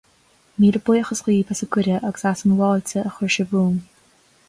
Míle buíochas daoibh as an gcuireadh agus as an bhfáilte a chuir sibh romham.